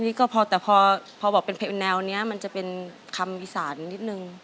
นี่ก็พอแต่พอบอกเป็นเพลงแนวนี้มันจะเป็นคำอีสานนิดนึง